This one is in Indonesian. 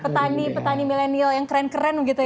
petani petani milenial yang keren keren gitu ya